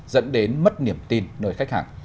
dẫn đến mất niềm tin nơi khách hàng